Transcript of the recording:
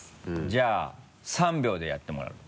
じゃあ３秒でやってもらう。